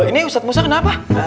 ini ustadz musa kenapa